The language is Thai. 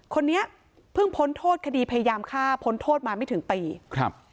คนนี้เพิ่งพ้นโทษคดีพยายามฆ่าพ้นโทษมาไม่ถึงปีครับ